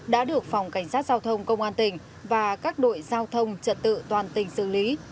đã được phòng cảnh sát giao thông công an tỉnh và các đội giao thông trật tự toàn tỉnh xử lý